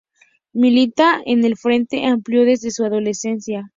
Milita en el Frente Amplio desde su adolescencia.